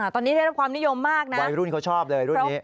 ตอนนี้ได้รับความนิยมมากนะวัยรุ่นเขาชอบเลยรุ่นนี้